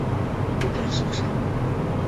不怕受伤。